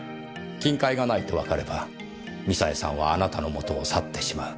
金塊がないとわかればミサエさんはあなたのもとを去ってしまう。